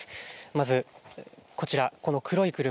まずこちら、この黒い車。